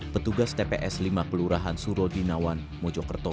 petugas tps lima kelurahan surodi nawan mojokerto